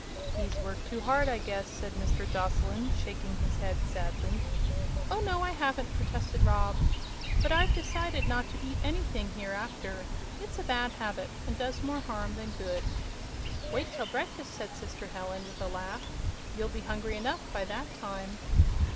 "He's worked too hard, I guess," said Mr. Joslyn, shaking his head sadly. "Oh, no; I haven't," protested Rob; "but I've decided not to eat anything, hereafter. It's a bad habit, and does more harm than good." "Wait till breakfast," said sister Helen, with a laugh; "you'll be hungry enough by that time."